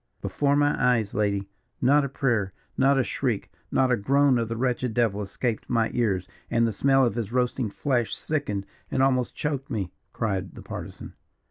"Before my eyes, lady. Not a prayer, not a shriek, not a groan of the wretched devil escaped my ears, and the smell of his roasting flesh sickened and almost choked me," cried the Partisan.